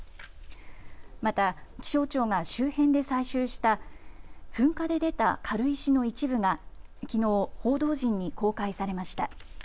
また、気象庁が周辺で採集した噴火で出た軽石の一部がきのう、報道陣に公開されました。